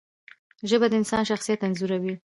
ژبه د انسان شخصیت انځوروي